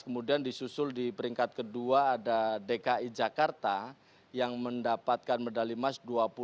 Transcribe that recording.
kemudian disusul di peringkat kedua ada dki jakarta yang mendapatkan medali emas